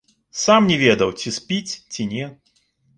Сам не ведаў, ці спіць, ці не.